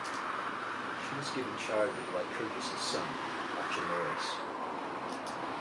She was given charge of Lycurgus's son, Archemorus.